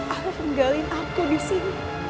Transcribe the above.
aku penggalin aku disini